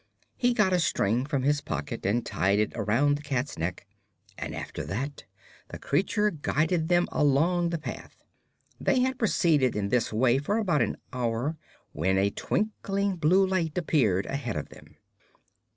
He got a string from his pocket and tied it around the cat's neck, and after that the creature guided them along the path. They had proceeded in this way for about an hour when a twinkling blue light appeared ahead of them.